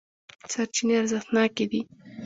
سرچینې ارزښتناکې دي.